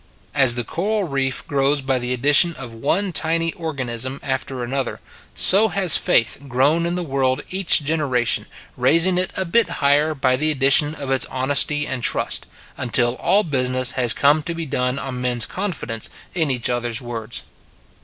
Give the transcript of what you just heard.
As the coral reef grows by the addition of one tiny organism after another, so has Faith grown in the world each genera tion raising it a bit higher by the addition of its honesty and trust, until all business has come to be done on men s confidence in each other s words.